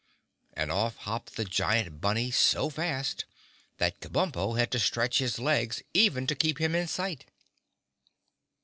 And off hopped the giant bunny so fast that Kabumpo had to stretch his legs even to keep him in sight.